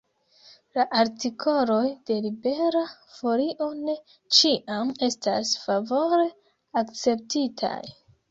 La artikoloj de Libera Folio ne ĉiam estas favore akceptitaj.